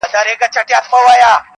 • هلهیاره د سپوږمۍ پر لوري یون دی,